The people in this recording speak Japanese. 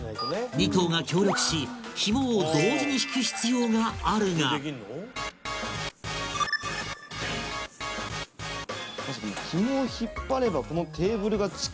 ２頭が協力しヒモを同時に引く必要があるがこれできるの？